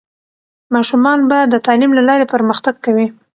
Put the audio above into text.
ماشومان به د تعلیم له لارې پرمختګ کوي.